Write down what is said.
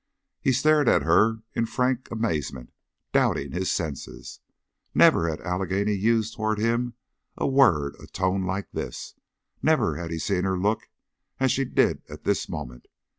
He stared at her in frank amazement, doubting his senses. Never had Allegheny used toward him a word, a tone like this, never had he seen her look as she did at this moment.